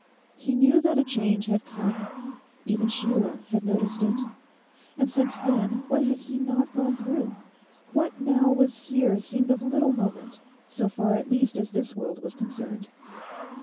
He knew that a change had come. Even Sheila had noticed it. And since then what had he not gone through? What now was here seemed of little moment, so far at least as this world was concerned.